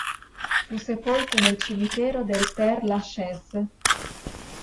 Fu sepolto nel cimitero del Père-Lachaise.